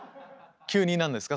⁉急に何ですか？